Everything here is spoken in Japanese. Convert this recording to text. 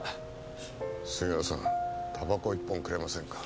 杉浦さんタバコ１本くれませんか？